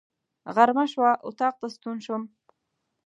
غرمه شوه، اطاق ته ستون شوم.